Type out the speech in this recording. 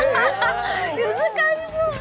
難しそう！